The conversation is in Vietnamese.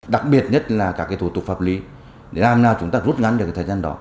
đặc biệt nhất là các thủ tục pháp lý để làm nào chúng ta rút ngắn được thời gian đó